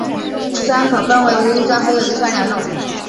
酸可分为无机酸和有机酸两种。